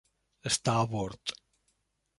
Està a bord.